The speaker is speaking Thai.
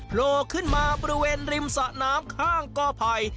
โผล่ขึ้นมาบริเวณริมสะน้ำข้างกอไผ่